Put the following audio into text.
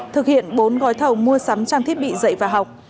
thực hiện bốn gói thầu mua sắm trang thiết bị dạy và học